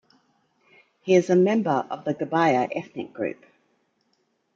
He is a member of the Gbaya ethnic group.